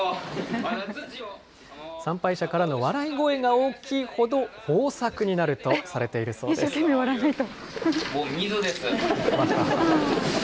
参拝者からの笑い声が大きいほど、豊作になるとされているそ笑わないと。